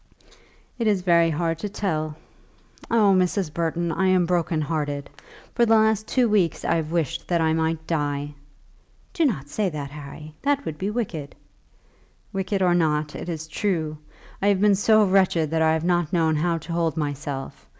"It is very hard to tell. Oh, Mrs. Burton, I am broken hearted. For the last two weeks I have wished that I might die." "Do not say that, Harry; that would be wicked." "Wicked or not, it is true. I have been so wretched that I have not known how to hold myself.